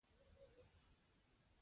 • خوږ شیان د غاښونو د خرابېدو سبب کیږي.